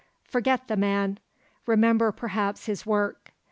Forget the man; remember, perhaps, his work.